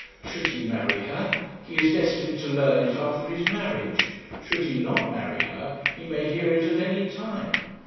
Should he marry her, he is destined to learn it after his marriage; should he not marry her, he may hear it at any time.